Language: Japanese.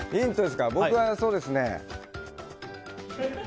僕は、そうですね。